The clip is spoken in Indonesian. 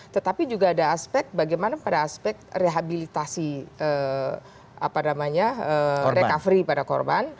tetapi juga ada aspek bagaimana pada aspek rehabilitasi recovery pada korban